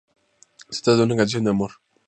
Se trata de una canción de amor.